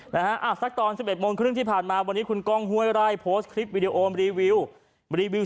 นะฮะอ่ะสักตอน๑๑โมงครึ่งที่ผ่านมาวันนี้คุณก้องห้วยไร่โพสต์คลิปวิดีโอรีวิวรีวิว